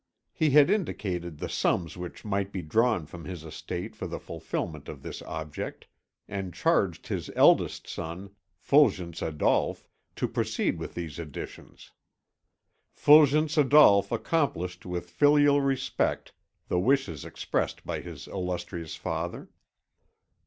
He had indicated the sums which might be drawn from his estate for the fulfilment of this object, and charged his eldest son, Fulgence Adolphe, to proceed with these additions. Fulgence Adolphe accomplished with filial respect the wishes expressed by his illustrious father.